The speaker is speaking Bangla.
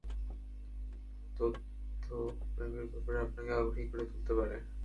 ফেসবুকে কারও দেওয়া তথ্য প্রেমের ব্যাপারে আপনাকে আগ্রাহী করে তুলতে পারে।